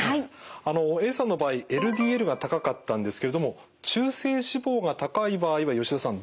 あのＡさんの場合ＬＤＬが高かったんですけれども中性脂肪が高い場合は吉田さん